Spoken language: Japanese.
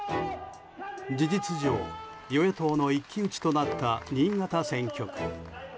事実上、与野党の一騎打ちとなった新潟選挙区。